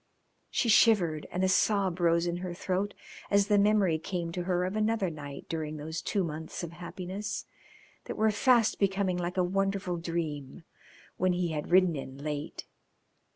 She shivered, and a sob rose in her throat as the memory came to her of another night during those two months of happiness, that were fast becoming like a wonderful dream, when he had ridden in late.